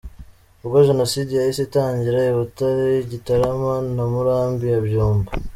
Ubwo Jenoside yahise itangira i Butare, Gitarama na Murambi ya Byumba.